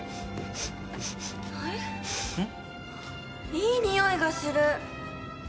いい匂いがする。